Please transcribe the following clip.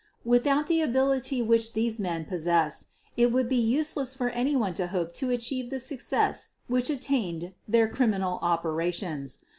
Without the ability which these men possessed, it would be useless for anyone to hope to achieve the "success" which attended their criminal operations.